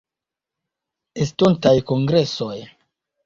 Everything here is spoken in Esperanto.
Estontaj Kongresoj.